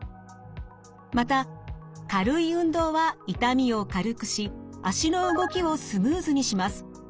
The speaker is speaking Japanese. また軽い運動は痛みを軽くし脚の動きをスムーズにします。